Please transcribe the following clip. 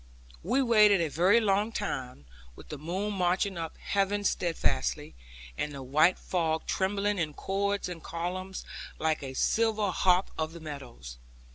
We waited a very long time, with the moon marching up heaven steadfastly, and the white fog trembling in chords and columns, like a silver harp of the meadows.